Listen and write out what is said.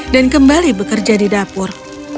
dan kembali bekerja di dapur